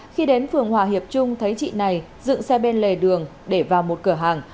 khi đến phường hòa hiệp trung thấy chị này dựng xe bên lề đường để vào một cửa hàng